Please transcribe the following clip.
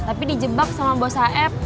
tapi dijebak sama bos hf